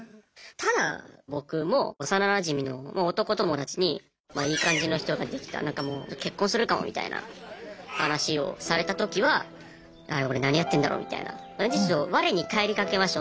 ただ僕も幼なじみの男友達にいい感じの人ができたなんかもう結婚するかもみたいな話をされた時はああ俺何やってんだろうみたいな感じでちょっと我に返りかけました。